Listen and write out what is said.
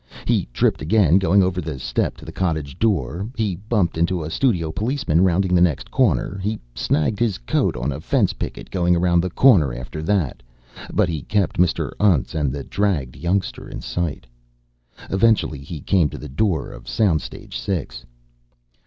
He tripped again going over the step to the cottage door. He bumped into a studio policeman rounding the next corner. He snagged his coat on a fence picket going around the corner after that. But he kept Mr. Untz and the dragged youngster in sight. Eventually he came to the door of Sound Stage Six.